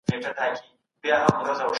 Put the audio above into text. په فساد کي ښکېل کسان محکمو ته معرفي کیدل.